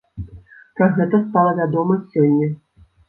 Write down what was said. Пра гэта стала вядома сёння.